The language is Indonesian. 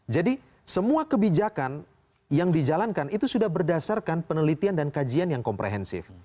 jadi semua kebijakan yang dijalankan itu sudah berdasarkan penelitian dan kajian yang komprehensif